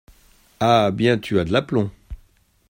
Ah ! bien, tu as de l’aplomb !